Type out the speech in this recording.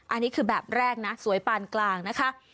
อันนี้คือแบบแรกนะสวยปานกลางนะคะ